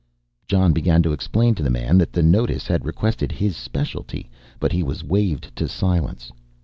Jon began to explain to the man that the notice had requested his specialty, but he was waved to silence.